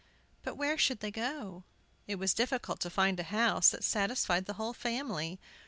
But where should they go? It was difficult to find a house that satisfied the whole family.